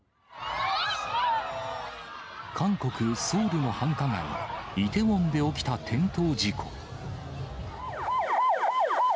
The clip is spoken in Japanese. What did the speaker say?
韓国・ソウルの繁華街、イテウォンで起きた転倒事故。